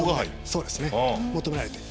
そうですね。求められて。